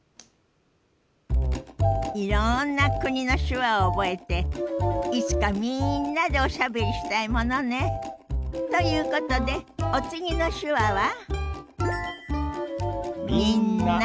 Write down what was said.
いろんな国の手話を覚えていつかみんなでおしゃべりしたいものね。ということでお次の手話は？